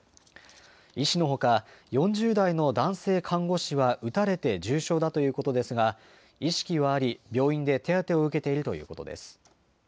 医師のほか、４０代の男性看護師は撃たれて重傷だということですが、意識はあり、病院で手当てを受けているということです。